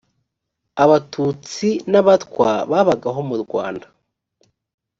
abatutsi n abatwa babagaho mu rwanda